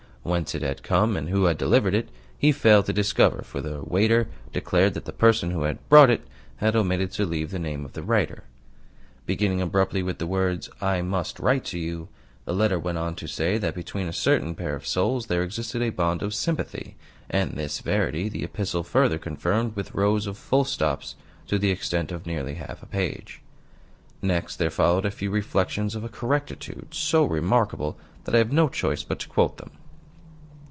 Whence it had come, and who had delivered it, he failed to discover, for the waiter declared that the person who had brought it had omitted to leave the name of the writer. Beginning abruptly with the words "I MUST write to you," the letter went on to say that between a certain pair of souls there existed a bond of sympathy; and this verity the epistle further confirmed with rows of full stops to the extent of nearly half a page. Next there followed a few reflections of a correctitude so remarkable that I have no choice but to quote them.